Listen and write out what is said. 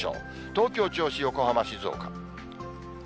東京、銚子、横浜、静岡。